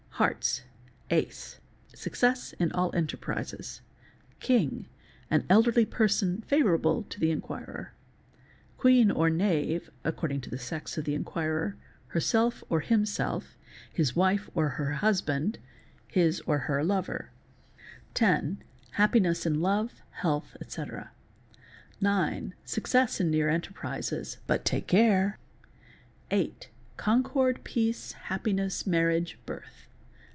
» Hearts.—Ace—success in all enterprises. Aing—an elderly person i avourable to the inquirer. Queen or Knave, (according to the sex of the ; uirer)—herself or himself, his wife or her husband, his or her lover. 398 | SUPERSTITION Ten—happiness in love, health, etc. Nine—success in near enterprises— but, Take care! Hight—concord, peace, happiness, marriage, birth.